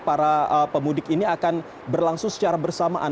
para pemudik ini akan berlangsung secara bersamaan